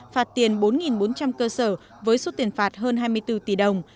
phạt tiền bốn bốn trăm linh cơ sở với số tiền phạt hơn hai mươi bốn tỷ đồng